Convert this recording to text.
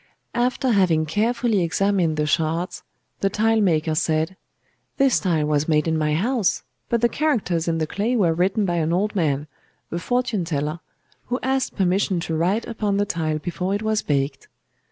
"After having carefully examined the shards, the tilemaker said: —'This tile was made in my house; but the characters in the clay were written by an old man—a fortune teller,—who asked permission to write upon the tile before it was baked.